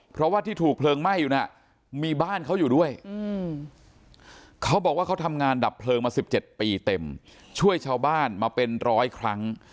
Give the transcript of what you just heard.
เพราะว่าที่ถูกเพลิงไหม้อยู่น่ะมีบ้านเขาอยู่ด้วยเขาบอกว่าเขาทำงานดับเพลิงมา๑๗ปีเต็มช่วยชาวบ้านมาเป็นร้อยครั้ง